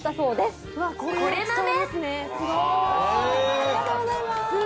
ありがとうございます。